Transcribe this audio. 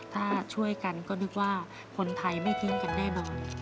ถ้าช่วยกันก็นึกว่าคนไทยไม่ทิ้งกันแน่นอน